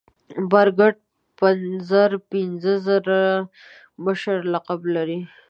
برګډ پنځر پنځه زر مشر لقب لري.